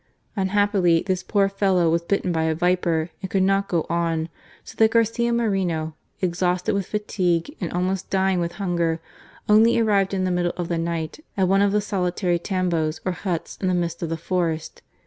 Unhappily, this poor fellow was bitten by a viper and could not go on, so that Garcia Moreno, exhausted with fatigue and almost dying with hunger, only arrived in the middle of the night at one of the solitary tambos or huts in the midst of the forest.